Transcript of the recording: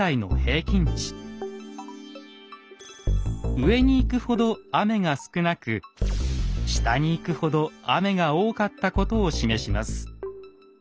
上に行くほど雨が少なく下に行くほど雨が多かったことを示します。